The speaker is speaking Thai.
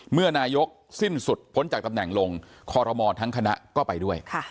เมื่อนายกสิ้นสุดพ้นจากตำแหน่งลงคอรมอทั้งคณะก็ไปด้วย